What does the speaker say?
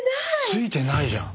ついてないじゃん。